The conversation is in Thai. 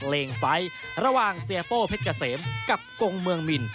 เพลงไฟล์ระหว่างเสียโป้เพชรเกษมกับกงเมืองมิน